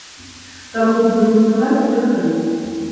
Таму будзем працаваць, як і раней.